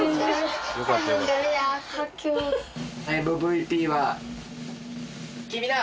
ＭＶＰは君だ！